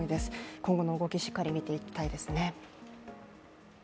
今後の動き、しっかり見ていきたいですね。